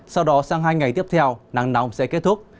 sau đó sang hai ngày tiếp theo nắng nóng sẽ kết thúc